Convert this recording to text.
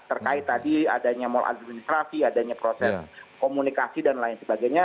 terkait tadi adanya mal administrasi adanya proses komunikasi dan lain sebagainya